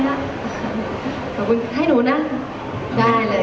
มีปิดฟงปิดไฟแล้วถือเค้กขึ้นมา